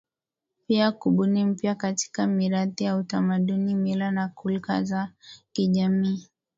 Pia kubuni mpya katika mirathi ya utamaduni mila na khulka za kijamii